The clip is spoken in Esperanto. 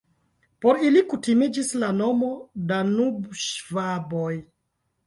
Por ili kutimiĝis la nomo "Danubŝvaboj".